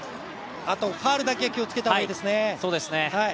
あとファウルだけは気をつけた方がいいですね。